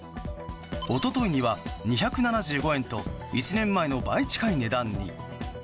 一昨日には２７５円と１年前の倍近い値段に。